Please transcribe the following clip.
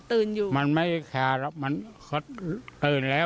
ตื่นอยู่มันเท่อะไรมันก็ตื่นแล้ว